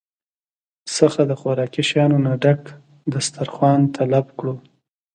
څخه د خوراکي شيانو نه ډک دستارخوان طلب کړو